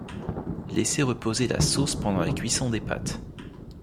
Laisser reposer la sauce pendant la cuisson des pâtes.